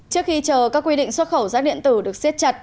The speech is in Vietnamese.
trước khi chờ các quy định xuất khẩu rác điện tử được siết chặt